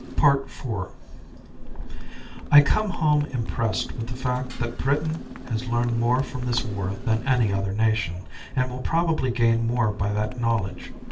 IV I come home impressed with the fact that Britain has learned more from this war than any other nation, and will probably gain more by that knowledge.